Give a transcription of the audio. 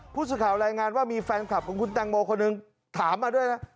ผู้สื่อข่าวรายงานว่ามีแฟนคลับของคุณแตงโมคนหนึ่งถามมาด้วยนะ